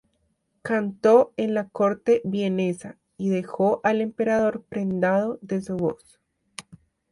Cantó en la corte vienesa y dejó al emperador prendado de su voz.